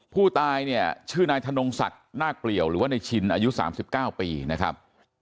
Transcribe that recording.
ผู้ตายเนี่ยชื่อนายธรรมศจหน้าเกลี่ยวบริเวณชินอยู่๓๙ปีนะครับ